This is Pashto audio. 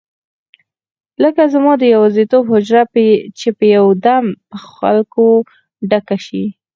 لکه زما د یوازیتوب حجره چې یو دم په خلکو ډکه شي.